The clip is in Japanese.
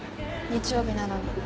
日曜日なのに。